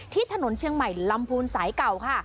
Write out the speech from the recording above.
ที่ถนนเชียงใหม่ลำพูนสายเก่าค่ะ